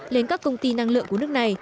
lên các công ty năng lượng của nước này